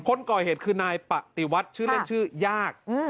คนก่อเหตุคือนายปฏิวัติชื่อเล่นชื่อยาก